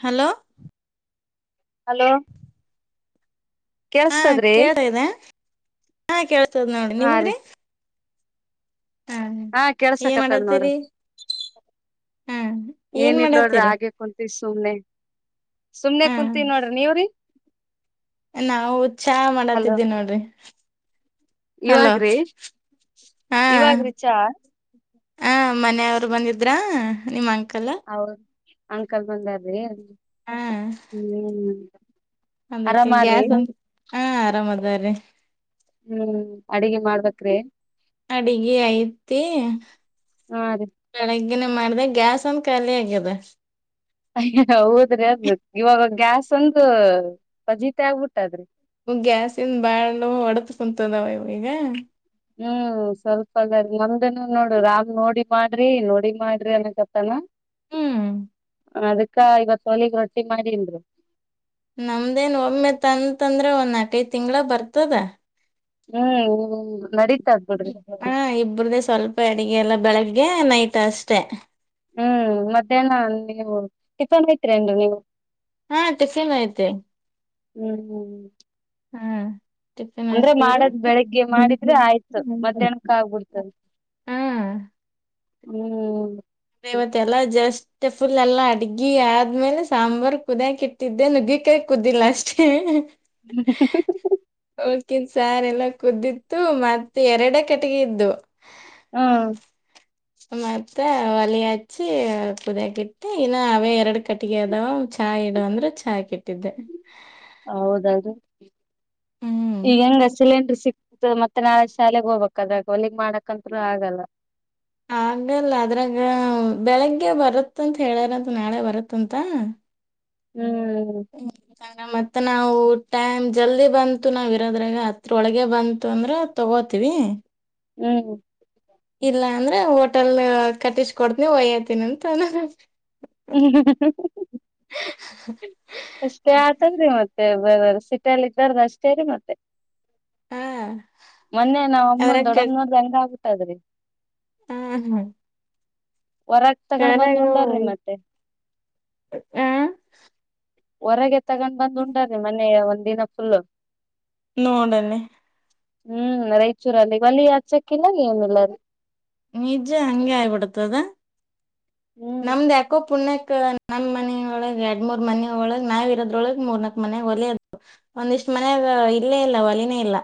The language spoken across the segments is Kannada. ಹಲೋ ಹಲೋ ಹಾ ಕೇಳಸ್ತದ್ರಿ ಕೇಳ್ ಇದೆ ಹಾ ಕೇಳ್ತದ ನೋಡ್ರಿ ಹಾ ರೀ ನಿಮಗ್ರಿ. ಹಾ ಏನ್ ಕೆಳ್ಸಕ್ಕತ್ತದ್ ನೋಡ್ರಿ. ಮಾಡತ್ತೀರಿ ಹಾ ಏನ್ ಏನಿಲ್ ನೋಡ್ರಿ ಮಾಡತ್ತೀರಿ ಆಗೆ ಕುಂತೀಸ್ ಸುಮ್ನೆ ಸುಮ್ನೆ ಹಾ ಕುಂತೀನೀ ನೋಡ್ರಿ ನೀವ್ರೀ ನಾವು ಚಾ ಮಾಡತಿದ್ದೀ ನೋಡ್ರಿ ಹಲೋ ಇವಾಗ್ರೀ ಹಾ ಇವಾಗ್ರೀ ಚಾ ಹ ಮನೆಯವ್ರು ಬಂದಿದ್ರ ನಿಮ್ಮ ಹೌದ ಅಂಕಲ್ ಬಂದಾರ್ ೇ ಹಾ ಹ್ಮ್ ಅದಕ್ಕೆ ಆರಾಮಾರ್ರಿ ಗ್ಯಾಸ್ ಒ ಹಾ ಆರಾಮ್ ಅದೇರಿ ಹ್ಮ್ ಅಡಿಗೆ ಮಾಡ್ಬೇಕ್ರೀ ಅಡಿಗೆ ಐತಿ ಹಾ ರೀ ಲ್ಲ ಮಾಡ್ಬೇಕ್ ಗ್ಯಾಸ್ ಒಂದ ಖಾಲಿ ಆಗ್ಯದ ಅಯ್ಯ ಹೌದ್ರ ಇವಾಗ ಗ್ಯಾಸ್ ಒಂದು ಪಜೀತೆ ಆಗ್ಬಿಟ್ಟದ್ರಿ ಗ್ಯಾಸಿನ್ ಬಾಳ ಹೊಡೆದ ಕುಂತದಾವ ಇವ್ನಿಗೆ ಹ್ಮ್ ಸ್ವಲ್ಪಲ್ಲ ಮಂದನ ನೋಡು ರಾಮ್ ನೋಡಿ ಮಾಡ್ರಿ ನೋಡಿ ಮಾಡ್ರಿ ಅನಕತ್ತನ ಹ್ಮ್ ಅದಕ್ಕ ಇವತ್ ಹೊಲಗ್ ರೊಟ್ಟಿ ಮಾಡೀನ್ರ ನಮ್ದೇನ್ ಒಮ್ಮೆ ತಂತಂದ್ರೆ ಒಂದ್ ನಾಕೈದ್ ತಿಂಗ್ಳ ಬರ್ತದ ಹ್ಮ್ ನಡೀ ಹಾ ಇಬ್ರ್ದೇ ಸ್ವಲ್ಪ ಈ ಎಲ್ಲ ಬೆಳಗ್ಗೆ ನೈಟ್ ಅಷ್ಟೆ ಹ್ಮ್ ಮಧ್ಯಾಹ್ನ ನೀವು ಟಿಫನ್ ಏನ್ತಿಂದ್ರಿ ಹಾ ಟಿಫನ್ ಐತೆ ಹ್ಮ್ ಹ್ಮ್ ಅಂದ್ರೆ ಮಾಡದ್ ಬೆಳಗ್ಗೆ ಮಾಡಿದ್ರೆ ಆಯ್ತು ಮಧ್ಯಾಹ್ನಕ್ಕ ಆಗ್ಬಿಡ್ತದ ಹಾ ಹ್ಮ್ ಇವತ್ತ ಎಲ್ಲಾ ಜಸ್ಟ್ ಫುಲ್ ಎಲ್ಲ ಅಡ್ಗಿ ಆದ್ಮೇಲೆ ಸಾಂಬಾರ್ ಕುದಿಯಕ್ ಇಟ್ಟಿದ್ದೆ ನುಗ್ಗಿಕಾಯಿ ಕುದಿಲ್ಲ ಅಷ್ಟೇ [inaudible] ಕ್ಕಿನ್ ಸಾರ್ ಎಲ್ಲ ಕುದ್ದಿತ್ತು ಮತ್ತೆ ಎರಡೆ ಕಟ್ಟಿಗೆ ಇದ್ದು ಹ್ಮ ಮತ್ತ ಒಲೆ ಹಚ್ಚಿ ಕುದಿಯಕಿಟ್ಟಿ ಇನ್ನು ಅವೇ ಎರಡು ಕಟ್ಟಿಗೆ ಅದಾವ ಚಹಾ ಇಡು ಅಂದ್ರೆ ಚಾ ಕಿ ಟ್ಟಿದ್ದೆ ಈಗ್ಹೆಂಗ ಅಚ್ಚಲೇಂಡ್ರಿ ಚಿಕ್ ಮತ್ತೆ ನಾ ಶಾಲೆಗೋಬೇಕು ದಾಗ ಹೊಲಿಗ್ ಮಾಡಕಂತ್ರು ಆಗಲ್ಲ ಬೆಳಿಗ್ಗೆ ಬರತ್ತಂತ್ ಹೇಳ್ಯಾರಂತ ನಾಳೆ ಬರತ್ತಂತ ಹ್ಮ್ ಹ್ಮ ನ ಮತ್ತ ನಾವು ಟೈಮ್ ಜಲ್ದಿ ಬಂತು ನಾವ ಇರೋದ್ರಾಗ ಹತ್ರೊಳಗೆ ಬಂತು ಅಂದ್ರೆ ತಗೋತೀವಿ ಹ್ಮ್ ಇಲ್ಲ ಅಂದ್ರೆ ಹೋಟೆಲ್ ಕಟ್ಟಿಸಿಕೊಡ್ತನಿ ಒಯ್ಯತನಿ ಅಂತಾವ್ನೆ ಅಷ್ಟ ಆತಂದ್ರೀ ಮತ್ತ್ ಮತ್ತ ಬರ್ರ ಸಿಟಲ್ಲಿ ಇದ್ದಾರ್ದ ಅಷ್ಟೇರಿ ಮತ್ತೆ ಹಾ ಮೊನ್ನೆ ನಾವ ಅದ್ರಾಗ ಅಮ್ಮನ್ ದೊಡ್ಡಮ್ಮ್ ನೋಡ್ದಂಗ ಆ ಅದ್ರೀ ಹ್ಮ್ ಹೊರಗ್ ತಗೊಂಡ್ ಬಂದ್ ಕರಾಗ ಉಂಡಾರ್ರಿ ಮತ್ತೆ ಆ ಹೊರಗೆ ತಗೊಂಡ್ ಬ್ ಉಂಟ್ರೀ ಮನೆಯ ಒ ೀಿನಸುಲ್ಲ ನೋಡನ್ನೆ ಹ್ಮ್ ರಾಯಚೂರಲ್ಲಿ ಒಲಿ ಆಚೆ ಕೆನ್ನಾಗ ಏನಿಲ್ಲ ರೀ ನಿಜ ಅಂಗಗೆ ಆಯಬಡ್ತದ ಹ್ಮ್ ನಮ್ಮದೋ ಪೂಣ ನಮ್ ಮನೊಳಗ್ ಎರಡ್ ಮೂರ್ ಮನ ಒಳಗ್ ನಾವ್ ಇರೋದ್ರೊಳಗ್ ಮೂರ್ನಾಕ್ ಮನೆ ಹೊಲ ಅದು ಒಂದಿಷ್ಟ್ ಮನ್ಾಗ ಇಲ್ಲೇ ಇಲ್ಲ ಒಲಿನೇ ಇಲ್ಲ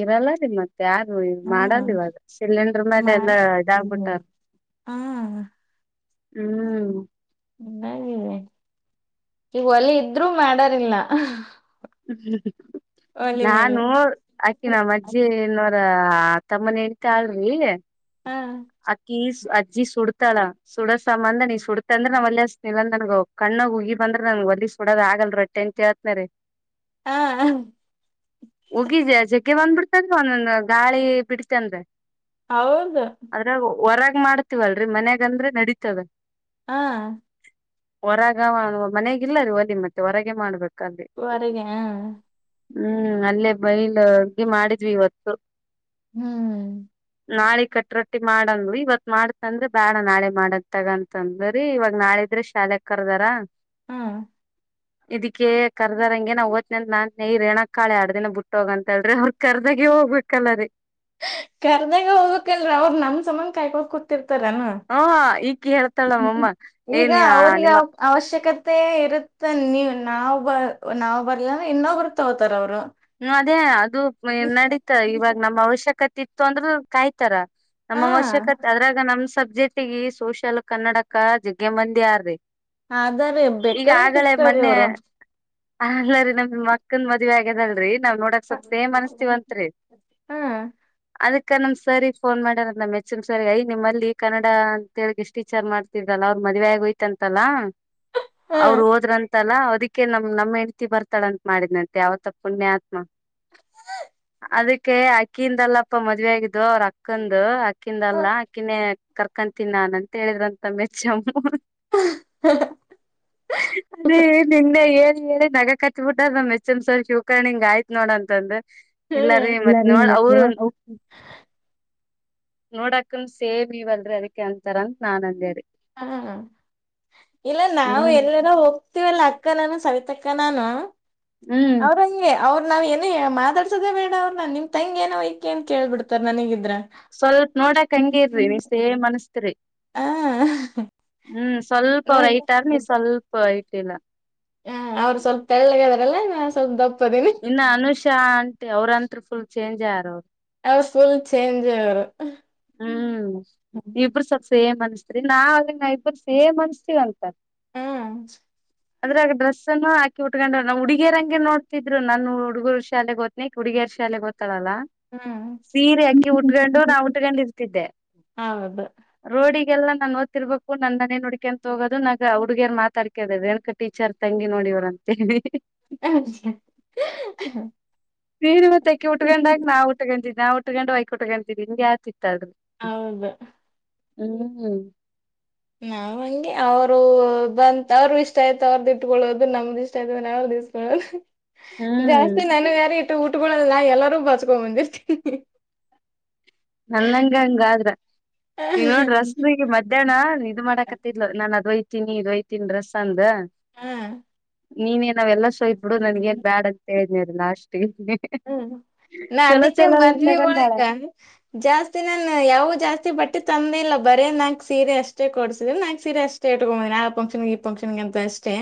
ಇರಲ್ಲರಿ ಮತ್ತೆ ಯಾರು ಇ ಹಾ ಮಾಡಲ್ವಾಗ ಸಿಲಿಂಡರ್ ಮೇಲೆ ಮಾಡ ಎಲ್ಲಾ ಇದಾಗಬಿಟ್ಟಾರ ಹಾ ಹ್ಮ್ ಿದೆ ಈಗ ಒಲೆ ಇದ್ರರು ಮಾಡಾರಿಲ್ಲ ಒಲಿ ಮೇಲೆ ನಾನು ಆಕಿನ ಅಜ್ಜಿನ್ನು ಅ - ಆ ತಮ್ಮನ ಹೇಳ್ತಾ ಆಳ್ರಿ ಹ ಅಕ್ಕೀ ಅಜೀ ಸುಡತಾಳ ಸುಡದಸ ಅಂದ ನೀ ಸುಡತ ಅಂದ್ರೆ ನ್ ಅಲ್ ನಿಲ್ ನನ್ಗ ಕಣ್ಣಗ್ ಉಗಿ ಬಂದ್ರ ನನ್ಗ್ ಅಲ್ಲಿ ಸುಡೋದ ಆಗಲ್ರಟ್ಟಟ ಎಂತ್ ಹೇತ್ನರಿ ಹ ಉಗಿ ಜಯ ಅಗೆ ಒಂದ್ ಬಿಡ್ತದ್ರ ಒಂದೊಂದು ಗಾಳಿ ಬಿಡಿತ ಅಂದ್ರೆ ಹೌದ ಮಾಡ್ತೀವಲ್ರರಿ ಮನ್ಯಾಗ ಅಂದ್ರೆ ನಡೀತವ ಹಾ ಹೊರಗ ಮಾಡುವ ಮನೆಗಿಲ್ಲ ವಲಿ ಮತ್ತೆ ಹೊರಗೆ ಮಾಡ್ಬೇಕು ವಗ ಹ್ಮ್ - ಅಲ್ಲೇ ಬ ಗೆ ಮಾಡಿದ್ವಿ ಇವತ್ತು ಹ್ಮ್ ನಾಳೆ ಕಟ್ರು ಮಾಡಂದ್ರು ಇವತ್ ಮಾಡ್ತಂದ್ರ ಬೇಡ ನಾಳೆ ಮಾಡದ ತಗಂತಂದ್ರೀ ಇವಾಗ ನಾಳೆ ಇದ್ರ ಶಾಲೆಗ್ ಕರ್ದಾರ ಹ್ಮ್ ಇದಿಕ್ಕೆ ಕರ್ದ ರಂಗೆ ನಾ ಹೊತ್ತಿನಂತ ನಾನ್ ನೈ ರೇಣುಕಾಳೆ ಯಾಡ್ ದಿನ ಬಿಟ್ಟೋಗ್ ಅಂತಾಳ್ರಿ ಅವ್ರ ಕರ್ದಾಗೆ ಹೋಗ್ಬೇಕಲ್ಲ ರೀ. ಕರ್ದಾಗ ಹೋಗ್ಬೇಕಲ್ಲ ಅವ್ರು ನಮ್ ಸಮನ್ ಕಾಯ್ಕೊಂಡ್ ಕೂತಿರ್ ಹಾ ಈಕಿ ಹೇಳ್ತಾಳಮ್ಮ ಎಯ್ ನಿ ಯಾ ನಿಮ್ಮ ಮತ್ತ ಇರುತ್ತೆ ನೀವ ನಾವು ಬ ನಾವ್ ಬರ್ಲಂದ್ರ ಇನ್ನೊಬ್ರು ತಗೋತಾರ ಅವ್ರು. ಹ್ಮ ಅದೇ ಅದು ನಡೀತ ಇವಾಗ ನಮ್ಮ್ ಅವಶ್ಯಕ ತಿತ್ತು ಅಂದ್ರ ಕಾಯ್ತಾರ. ಹ ನಮ್ಮ ಅವಶ್ಯಕತ್ ಅದ್ರಾಗ ನಮ್ ಸಬ್ ಜೆಟಿಗಿ ಸೋಶಲ್ ಕನ್ನಡಕ ಜಗ್ಗೆ ಮಂದಿ ಆರ್ರಿ. ಆದೇ ರಿ ಬೇಕಾದಂಗ್ ಸಿಕ್ತಾರೀ ಅವ್ರು. ಅಲ್ಲ ರೀ ನಮ್ ಮಕ್ಕನ್ ಮದ್ವೆ ಆಗ್ಯದಲ್ ರೀ ನಾವ್ ನೋಡಕ್ ಸ್ವಲ್ಪ ಸೇಮ್ ಅನ್ಸತೀವಂತ್ರಿ ಅದಕ್ ಈಕ್ಕ ನಮ್ ಸರಿಗ್ ಫೋನ್ ಮಾಡ್ಯಾರಂತ ನಮ್ಮ ಹೆಚ್ ಎಂ ಸರಿಗ್ ಐ ನಿಮ್ಮಲ್ಲಿ ಕನ್ನಡ ಅಂತ ಹೇಳಿ ಗೆಸ್ಟ್ ಟೀಚರ್ ಮಾಡ್ತಿದ್ರಲ್ಲ ಅವ್ರ್ ಮದ್ವೆ ಆಗೋಯ್ತಂತಲ್ಲ ಅವ್ರು ಹೋದ್ರನ್ ತಲ್ಲ ಅದಿಕ್ಕೆ ನಮ್ ನಮ್ ಹೆಂಡತಿ ಬರ್ತಾಳಂತ್ ಮಾಡಿದ್ನಂತ್ ಯಾವತ್ತೊ ಪುಣ್ಯಾತ್ಮ ಅದಿಕ್ಕೆ ಅಕ್ಕಿಯಿಂದಲ್ಲಪ್ಪ ಮದುವೆ ಆಗಿದ್ದು ಅವ್ರ ಅಕ್ಕಂದು ಕಿಂದಲ್ಲ ಆಕಿನೇ ಕರ್ಕೊಂತೀನಿ ನಾನ್ ಅಂತ್ ಹೇಳಿದ್ರಂತ್ ನಮ್ ಎಚ್ ಎಮ್ಮು ಹ್ ಹ್ ಅದೇ ನಿನ್ನೆ ಎ ಹೇಳಿ ನಗಕತ್ತ್ ಬಿಟ್ಟಾರ್ ನಮ್ ಎಚ್ ಎಂ ಸರ್ ಗ್ಯು ಕಣ ಹಿಂಗಾಯ್ತ್ ನೋಡ್ ಅಂತಂದು ಇಲ್ಲರೀ ಮತ್ ಹ್ಮ [unintelligible] ನೋಡಾಕುನು ಸೇಮ್ ಇವಲ್ರಿ ಅದಕ್ಕೆ ಅಂತಾರಂತ್ ನಾನ್ ಅಂದೇರಿ. ಹಾ ಇಲ್ಲ ನಾವು ಹ್ಮ್ ಎಲ್ಲರ ಹೋಗ್ತಿವಲ್ಲ ಅಕ್ಕ ನಾನು ಸವಿತಕ್ಕ ನಾನು ಹ್ಮ್ ಅವ್ರ್ ಹಂಗೆ ಅವ್ರ್ ನಾವ್ ಏನೇ ಮಾತಾಡ್ಸೋದೇ ಬೇಡ ಅವ್ರ್ನ ನಿಮ್ ತಂಗಿ ಏನವ್ವ ಈಕಿ ಅಂತ ಕೇಳ್ಬಿಡ್ತಾರ್ ನನಿಗಿನ್ ಸ್ವಲ್ಪ ನೋಡಕ್ ಹಿಂಗೇ ಇದ್ದೀರಿ ನೀವ್ ಸೆಮ್ ಅನಿಸ್ತಿರಿ. ಹ ಹ್ಮ್ ಸ್ವಲ್ಪ ಅವ್ರ್ ಹೈಟರ್ ನೀವು ಸ್ವಲ್ಪ ಹೈಟಿಲ್ಲ. ಹ್ಮ್ ಅವ್ರ್ ಸ್ವಲ್ಪ ತಳ್ಳಗದರ್ ಲ್ಲ ನೀವ್ ಸ್ವಲ್ಪ್ ದಪ್ ಇನ್ನ ಅನುಷ ಅಂಟಿ ಅವ್ರಂತ್ರು ಫುಲ್ ಚೇಂಜೆ ಆರ್ ಅವ್ರ್ ಅವ್ರ್ ಫುಲ್ ಚೇಂಜ್ ಆವ್ರು. ಹ್ಮ್ ಇಬ್ರು ಸಬ್ಸ್ ಸೇಮ್ ಅನ್ಸ್ ತ್ರಿ ನಾವ್ ನ ಇಬ್ಬ್ರು ಸೇಮ್ ಅನ್ಸ್ತಿವಂತ. ಹ್ಮ ಅದ್ರಾಗ್ ಡ್ರಸ್ಸನ್ನು ಹಾಕಿ ಉಟ್ಕೊಂಡ್ಯಾರ್ ನಮ್ ಹುಡಿಗ್ಯರಂಗೆ ನೋಡ್ತಿದ್ರು ನನ್ ಹುಡುಗರು ಶಾಲೆಗ್ ಹೊತ್ನಿ ಈಕಿ ಹುಡಿಗ್ಯರ್ ಶಾಲೆಗ್ ಹೊ ತಳಲ್ಲ ಹ್ಮ್ ಸೀರೆ ಅಕ್ಕಿ ಉಟ್ಕೊಂಡು ನಾವು ಕೊಂಡಿರ್ತಿದ್ದೆ ರೋಡಿ ಲ್ಲ ನಾನ್ ಓತಿರ್ಬೇಕು ನನ್ನನೇ ನೋಡ್ಕ್ಯಂತ್ ಹೋಗೋದು ನಗ ಆ ಹುಡ್ಗ್ಯರ್ ಮಾತಾಡ್ಕ್ಯದ್ ರೇಣುಕಾ ಟೀಚರ್ ತಂಗಿ ನೋಡ್ ಇವ್ರ್ ಅಂತೇಳಿ ಹ್ ಹ್. ಅಯ್ಯ ಅಹ್ [unintelligible] ಅಕಿ ಉಟ್ಕೊಂಡಾಗ ನಾ ಉುಕೊಂಡಿದ್ದ ನಾವ್ ಕೊಂಡು ವಾಯ್ ಕುಟ್ಕಂತೀನಿ [unintelligible] ಸಿಗ್ತಾಳ್ರಿ ಹೌದು [unintelligible] ನಾವ್ ಹಂಗೆ ಅವ್ರು ಬಂತ ಅವ್ರು ಇಷ್ಟ ಆಯ್ತ ಅವ್ರ್ದ ಇಟ್ಕೊಳ್ಳೋದು ನಮ್ದ ಇಷ್ಟ ಆಯ್ತು ಅಂದ್ರೆ ಅವ್ರ್ ಇಸ್ಕೊಳ್ಳೋದ್ ಅಹ್ ಹ್ಮ್ ಜಾಸ್ತಿ ನನಗಾರಿ ಊಟ್ ಗೊಳಲ್ಲ ಎಲ್ಲಾರೂ ಬಾಚ್ಕೊಂಡ್ ಬಂದಿರ್ತೀವಿ ಹ್ ಹ್ ಹ್ ನನ್ನಂಗ್ ಹಂಗಾದ್ರ ನೀವ ನೋಡ್ರಿ ರಸ್ಬಿಗೆ ಮಧ್ಯಾಹ್ನ ಇದು ಮಾಡಾಕತ್ತಿದ್ಲು ನಾನ್ ಅದ್ ಓಯ್ ತಿನಿ ಇದ್ ಓಯ್ತಿನಿ ಡ್ರಸ್ ಅಂದು ಹಾ ನೀನೇ ನಾವೆಲ್ಲ ಸೋಯತ್ ಬಿಡು ನನ್ಗೇನ್ ಬ್ಯಾಡ ಅಂತೆಳ್ [unintelligible] ಲಾಷ್ಟಿಗಿ ಹ್ಮ್ ನಾ ಅದಕ್ಕೆ ಮದ್ವಿ ತಗೊಂಡಾಳ ಒಳಕ್ಕ ಜಾಸ್ತಿ ನಾನು ಯಾವು ಜಾಸ್ತಿ ಬಟ್ಟೆ ತಂದೆ ಇಲ್ಲ ಬರೇ ನಾಕ್ ಸೀರೆ ಅಷ್ಟೇ ಕೊಡ್ಸಿದನಿ ನಾಕ್ ಸೀರೆ ಅಷ್ಟೇ ಇಟ್ಕೊ ಬಂದೀನಿ ಆ ಫಂಕ್ಷನ್ ಈ ಫಂಕ್ಷನ್ಗೆ ಅಂತ ಅಷ್ಟೇ.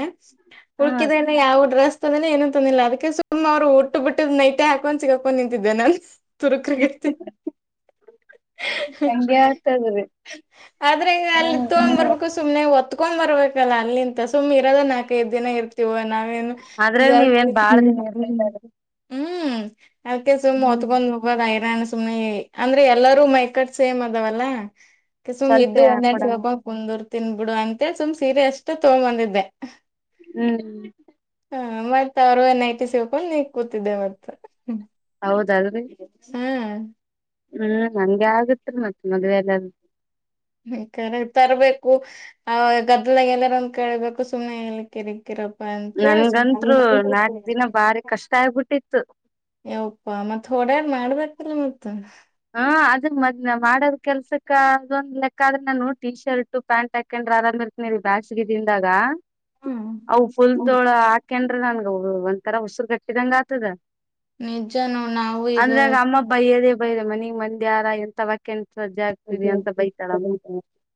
ಹಾ ಉಳ್ಕಿದನ ಯಾವ್ಡ್ರೆಸ್ [unintelligible] ಏನು ತಂದಿಲ್ಲ ಅದಕ್ಕೆ ಸುಮ್ ಅವರು ಒಟ್ಟು ಬಿಟ್ ನೈಟೆ ಹಾಕೊಂಡು ಸಿಗಾಕೊಂಡ್ ನಿಂತಿದ್ದೆ ನಾನ್. ತುರ್ಕ್ರಗತ್ತು ಹಂಗೆ ಆಗ್ತದ್ರಿ ಆದ್ರೆ ಈಗ ಅಲ್ಲಿ ಹ್ಮ್ ತೊಗ್ ಬರ್ಬೇಕು ಸ್ ಸುಮ್ನೆ ಒತ್ಕೊಂಡ್ ಬರ್ಬೇಕಲ್ಲಾ ಅಲ್ಲಿಂತ ಸುಮ್ ಇರದ ನಾಕೈದು ದಿನ ಇರ್ತೀವ ನಾವ್ ಅದ್ರಾಗ ನೀವೇನ್ ಬಾಳ ದಿನ ಇರ್ಲಿಲ್ಲ [unintelligible] ಹ್ಮ್ ಅಕ್ಕೆ ಸುಮ್ ಹ್ಮ್ ಹೋತ್ಕೊಂಡ್ [unintelligible] ನಾನ ಸುಮ್ನೆ ಅಂದ್ರೆ ಎಲ್ಲಾರೂ ಮೈಕಟ್ ಸೇಮ್ ಅದಾವಲ್ಲ ಸು್ದುು ಸ್ವಲ್ಪೇ ಹಾಕೊಡೋಣ ಒನ್ನಯಿ ಕುಂದೂರು ತಿನ್ಬಿಡು ಅಂತ ಸುಮ್ ಸೀರೆ ಅಷ್ಟ ತಗೊಂಬಂದಿದ್ದೆ ಹ ಹ್ಮ್ ಮತ್ತತ್ ಅವರುನ್ ಐತಿ ಸಿಬೇಕ ನೀ ಕ ಮ ಹೌದಾದ್ರೀ ಹ್ಮ್ ನಂಗೆ ಆಗತ್ರಿ ಮತ್ತತ್ ಮದ್ವೆ ಎಲ್ಲ ಹ ಕ ತರ್ಬೇಕು ಆ ಗದ್ದಲಾಗ ಎಲ್ಲಾರ ಒಂದ ಕೇಳ್ಬೇಕು ಸುಮ್ನೆ ಎ ಕರಿ ಕಿರಪ್ಪ ಅಂತ ನನ್ಗಂತ್ರು ನಾಕ್ ದಿನ ಬಾರಿ ಕಷ್ಟ ಆಗ್ಬಿಟ್ಟಿತ್ತು ಯಪ್ಪಾ ಮತ್ತ ಹೊಡಾರ್ ಮಾಡ್ಬೇಕ ಎಲ್ಲ ಮತ್ತ ಹಾ ಅದ ಮದ್ನ ಮಾಡದ ಕೆಲ್ಸಕ್ಕ ಅದೊಂದ್ ಲೆಕ್ಕ ಆದ್ರೆ ನಾನು ಟಿ ಶರ್ಟ್ ಪ್ಯಾಂಟ್ ಹಾಕೊಂಡ್ರ ಆರಾಮ್ ಇರ್ತೀನಿ ಬ್ಯಾಸ್ಗೆ ದಿಂದಾಗ ಅ ಹ್ಮ ಪುಲ್ತೋಳ ಆಕ ನನ್ಗ ಒಂ ತರ ಉಸುರು ಕಟ್ಟಿದಂಗ ಆತದ ನಿಜಾನೂ ನಾವು ಈಗ ಬ ಮನೆ ಮಂದಿ ಆಾರ [inaudible]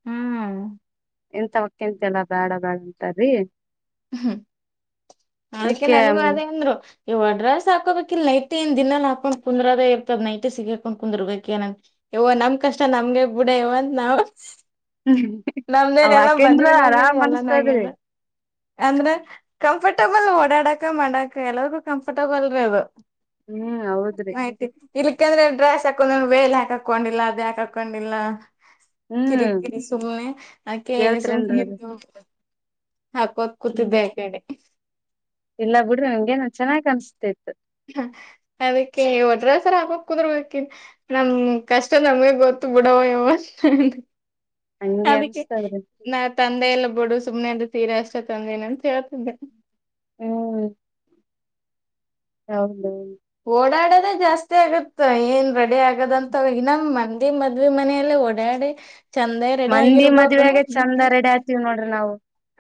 ಹಾ ಎಂತ ಹೊಕ್ಕಂತೆ ಎಲ್ಲಾ ಬೇಡ ಬ್ಯಾಡ ಅಂತಾರೀ ಹ್ಮ್ ಅದಕ್ಕೆ ನನಗೂ ಅದೇ ಅಂದ್ರು ಇವ ಅಡ್ರಸ್ ಹಾಕೋಬೇಕ ಇಲ್ ನೈಟ್ ನ್ ದಿನಲ್ ಹಾಕೊಂಡ್ ಕುಂದ್ರದ ಇರ್ತದ್ ನೈಟ್ ಸಿಗಾಕೊಂಡ್ ಕುಂದರ್ಬೇಕ ನ ಇವೋ ನಮ್ ಕಷ್ಟ ನಮಗೆ ಬಿಡ ಇವಂತ ನಾವವು ಹ್ಮ್ ಅವಾಕಂದ್ರ ಆರಾಮ್ ಅನ್ಸ್ತದ್ರಿ ಅಂದ್ರೆ ಕಂಫರ್ಟಬಲ್ ಓಡಾಡಕ ಮಾಡಕ ಎಲ್ಲರಿಗೂ ಕಂಫರ್ಟಬಲ್ೇ ಅದು ಹ್ಮ್ ಹೌದ್ರಿ ಆಯ್ತು ಇ ಯಾಕಂದ್ರೆ ಡ್ರೈಸ್ ಸಾಕೊಂಡಂದ್ರ ವೇಲ್ ಹಾಕಕ್ಕ್ಕೊಂಡಿಲ್ಲ ಅದ ಯಾಕ್ ಹಾಕಕ್ಕೊಂಡಿಲ್ಲ ಕಿರಿ ಹ್ಮ್ ಕಿರಿ ಸುಮನೆ ಅಕೆ [inaudible] ಕೇಳ್ತರೇನ್ರಿ ಅದು ಹಾಕ್ೋ ಹ್ಮ್ ಕೂತಿದ್ದೆ ಯ ಕಡೆ ಇಲ್ಲ ಬಿಡ್ರಿ ನನ್್ಗೆೇನ ಚೆನ್ನಾಗ್ ಕಾಣಿಸ್ತಾ ಇತ್ತು ಹ ಅದಕ್ಕೆ ಒಟ್ರಸರ ಹಾಕಕ್ ಕುದುರ್ಬೇಕಕನ್ ನಮ ಕಷ್ಟ ನಮ್ಗೆ ಗೊತ್ತು ಬಿಡವ ಯವ ಹಂಗೆ ಅದಕ್ಕೆ ಅನ್ಸ್ತದ್ರಿ ನಾ ತಂದೆ ಎಲ್ಲ ಬಿಡು ಸುಮ್ನೆ ಅದು ತೀರ ಅಷ್ಟೇ ತಂದಏನ ಅಂತ ಹೇಳ್ತಿದ್ದೆ ಹ್ಮ್ ಹೌದೌದು ಓಡಾಡ ಜಾಸ್ತಿ ಆಗುತ್ತ ಏನ್ ರೆಡಿ ಆಗದಂತಗ ನಮ್ಮ್ ಮಂದಿ ಮದ್ವಿ ಮನೆಯಲ್ಲ ಓಡಾಡಿ ಚಂದೇ ರೆಡಿ ಮಂದಿ ಆಗಿರ್ಬೋದು ಮದ್ವೇಗ ಚಂದ ರೆಡಿ ಆತೀವ್ ನೋಡ್ರಿ ನಾವು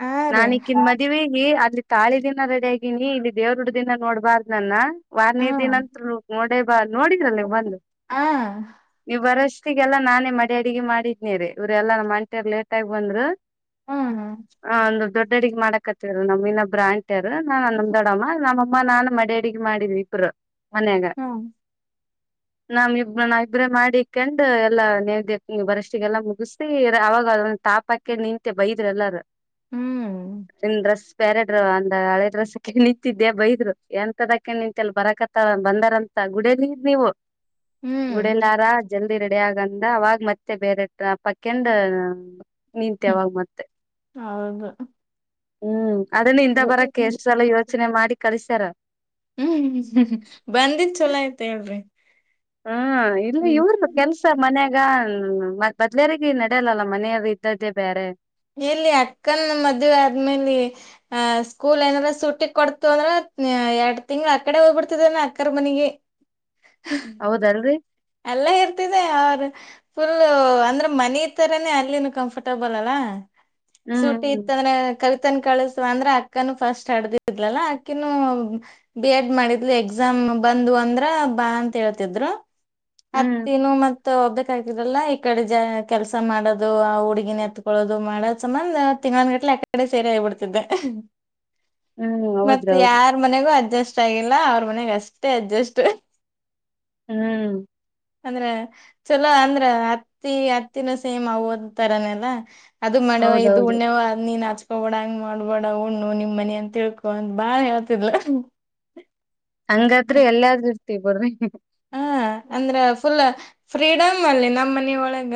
ಆ ರೀ ನಾನ್ ಹ ಈಕ್ಕಿಂದ್ ಮದ್ವಿಗಿ ಅಲ್ಲಿ ತಾಳಿ ದಿನ ರೆಡಿ ಆಗಿನಿ ಇಲ್ಲಿ ದೇವ್ರರುಟ ದಿನ ನೋಡ್ಬಾರ್ದ ನನ್ನ ವಾರ್ನೇ ದಿನಂತ ನೋಡೇ ಬಾ ನೋಡಿದ್ರಲ್ಲ ನೀವ್ ಬಂದು ಆ ನೀವ್ ಬರಷ್ ಮತ್ತಿಗೆಲ್ಲ ನಾನೇ ಮಡ ಅಡಗೆ ಮಾಡಿದ್ನೇರಿ ಇವ್ರ ಎಲ್ಲ ಎಲ್ಲಾ ನಮ್ಮ ಆಂಟೆರು ಲೇಟ್ ಆಗಿ ಬಂದ್ರು. ಹ್ಮ್ ಹ ಅಲ್ಲ ದೊಡ್ಡ ಹುಡುಗಿ ಮಾಡಕತ್ತಿರ ನಮ್ಮ ಇನ್ನೊಬ. ಬ್ರಾಂಡ್. [unintelligible] ನಾ ನಮ್ಮ ದೊಡ್ಡಮ್ಮ ನಾನ. ಅಮ್ಮ ನಾನು ಮಡ್ಯಾಡಿಗಿ ಮಾಡಿದ್ವಿ ಇಬ್ಬರ. ಮನ್ಯಾಗ. ಹ್ಮ್ ನಾವ ಇಬ್ರ ನಾ ಇಬ್ರ ಮಾಡೆಕೊಂಡ ಎಲ್ಲಾ ನೇವ್ದಿ ನೀವ ಬರಷ್ಟಿಗೆಲ್ಲಾ ಮುಗದ. [unintelligible] ಅವಾಗ ಅದ ಒಂದ ಟಾಪ್ ಹಾಕೊಂಡ ನಿಂತೆ ಬೈದ್ರ ಎಲ್ಲಾರ. ಏನ ಡ್ರೆಸ್. ಬ್ಯಾರೆ ಡ್ರ ಅಂದ್ರ ಹಳಿ ಡ್ರೆಸ್ ಹಾಕೊಂಡ ನಿಂತಿದ್ದೆ ಬೈದ್ರು ಎಂತದ ಹಾಕೊಂಡ ನಿಂತಲ್ಯ ಬರಕತ್ತ ಬಂದಾರಂತ ಗುಡಿಯಲ್ಲಿ ಇದ್ರ ನೀವು. [unintelligible] ಹ್ಮ್ ಜನ. ಜಲ್ದಿ ರೆಡಿ ಆಗಂದ ಅವಾಗ ಮತ್ತೆ ಬೇರೆ. ಟಾಪ್ ಹಾಕ್ಯಂಡ. ನಿಂತ್ಯ ಹ್ಮ್ ಅವಾಗ ಮತ್ತ. ಹೌದು ಹ್ಮ್. ಅದನ್ನು ಇಂದ ಬರಕ್ಕ ಎಷ್ಟ ಸಲ ಯೋಚನೆ ಮಾಡಿ ಕಳಿಸ. [unintelligible] ಹ್ಮ್್ಮ್ಮ ಬಂದಿತ್ ಚೊಲೋ ಆಯ್ತ್ ಹೇಳ್ರಿ ಹ್ಮ್ ಇಲ್ಲ ಹ್ಮ್ ಇವರು ಕೆಲ್ಸ ಮನ್ಯಾಗ ಹ ಮ ಬದ್ಲೇಾರ ನಡೆಯಲ್ಲಲ್ಲ ಮನೆ ಇದ್ದದ್ದೇ ಬೇರೆ ಎಲ್ಲಿ ಅಕ್ಕನ್ ಮದ್ವೆ ಆದ್ಮೇಲೆ ಅ ಸ್ಕೂಲ್ ಏನಾರ ಸೂಟಿ ಕೊಡ್ತು ಅಂದ್ರ ಎರಡ್ ತಿಂಗಳ ಅಕಡೆ ಹೋಗ್ಬಿಡ್ತಿದಾನ ಅಕ್ಕರ್ ಮನಗ ಹೌದಲ್ರರಿ ಅಲ್ಲ ಇರ್ತಿದೆ ಅವರು ಫುಲ್ ಅಂದ್ರ ಮನಿತರನೇ ಅಲ್ಲಿನು ಕಂಫರ್ಟಬಲ್ ಅಲ್ಲ ಹ್ಮ್ ಸೂಟಿ ಇತ್ತ ಅಂದ್ರೆ ಕವಿತನ್ ಕಳಸವ ಅಂದ್ರ ಅಕ್ಕನು ಫಸ್ಟ್ ಅಡದಿದ್ಲಲ್ಲಾ ಅಕ್ಕಿನ ಬಿ ಎಡ್ ಮಾಡಿದ್ಲು ಎಕ್ಸಾಮ್ ಬಂದ್ವ ಅಂದ್ರ ಬಾ ಅಂತ ಹೇಳ್ತಿದ್ರು ಹ್ಮ್ ಅತ್ತಿನ ಮತ್ತ ಹೋಗ್ಬೇಕ ಆ್ತರಲ್ಲಾ ಈ ಕಡೆ ಜ ಕೆಲ್ಸ ಮಾಡೋದು ಆ ಹುಡುಗಿನ ಎತ್ಕೊಳ್ಳೋದು ಮಾಡೋದ್ ಸಮಬನ್ ತಿಂಗಗಳಂದ್ ಗಟ್ಲೆ ಯಕಡೆ ಸೇರಿ ಆಗಿಬಿಡ್ತಿದ್ದೆ ಹ್ಮ್ ಮತ್ತ ಹೌದ್ರಿ ಹೌದು ಯಾರ್ ಮನೆಗೂ ಅಡ್ಜಸ್ಟ್ ಆಗಿಲ್ಲ ಅವ್ರ ಮನೆಗ್ ಅಷ್ಟೇ ಅಡ್ಜಸ್ಟ್ ಹ್ಮ್ ಅಂದ್ರ ಚಲೋ ಅಂದ್ರ ಅತ್ತಿ ಅತ್ತಿನೂ ಸೇಮ್ ಅವ ಓದ್ ತರನಲ್ಲ ಅದು ಮಣವ ಇದು ಹೌದೌದ್ರಿ ಉಣ್ಣೆವ ನೀನ್ ಅ ತಬೋಡ ಹಂಗ ಮಾಡ್ಬೇಡ ಉಣ್ಣು ನಿಮ್ ಮನಿ ಅಂತ ತಿಳ್ಕೊ ಅಂತ ಬಾಳ್ ಹೇಳ್ತಿಲ್ಲ ಹಂಗಾದ ಎಲ್ಲ್ರೂ ಬ್ರ ಹ ಅಂದ್ರ ಫುಲ್ ಫ್ರೀಡಮ್ ಅಲ್ಲಿ ನಮ್ಮ ಮನ ಒಳಗ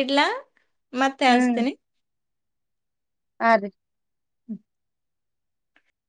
ಇಡ್ಲ ಮತ್ತೆ ಆಳ್ಸ್ತೀನಿ ಹ ರಿ